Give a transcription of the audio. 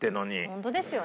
ホントですよね。